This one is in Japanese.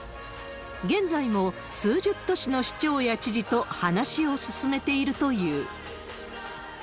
現在も数十都市の市長や知事と話を進めているという。